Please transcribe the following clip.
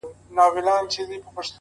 • ماما خېل یې په ځنګله کي یابوګان وه,